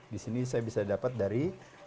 di sini saya bisa dapat dari